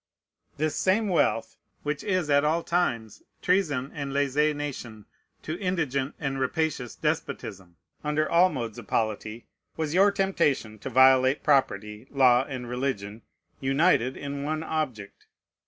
" This same wealth, which is at all times treason and lèze nation to indigent and rapacious despotism, under all modes of polity, was your temptation to violate property, law, and religion, united in one object.